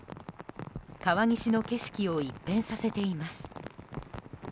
川岸の景色を一変させています。